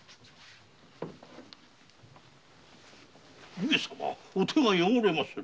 上様お手が汚れまする。